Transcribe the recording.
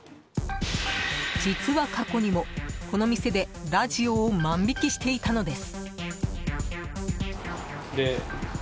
実は過去にも、この店でラジオを万引きしていたのです。